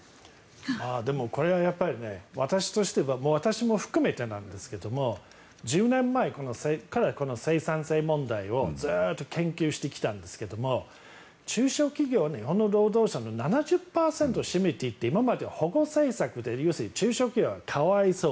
でもこれは私としては私も含めてなんですが１０年前からこの生産性問題をずっと研究してきたんですけど中小企業、日本の労働者の７０％を占めていて今までは保護政策で中小企業は可哀想。